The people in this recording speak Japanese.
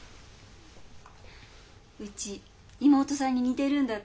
うち妹さんに似てるんだって？